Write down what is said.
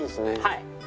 はい。